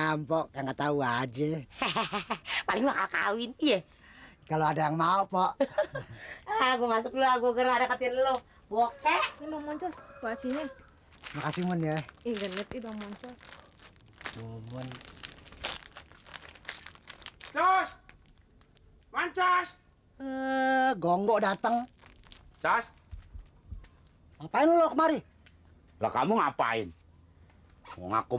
ampok enggak tahu aja hehehe paling mau kawin iya kalau ada yang mau pok aku masuk lu aku